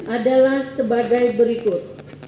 adalah sebagai berikut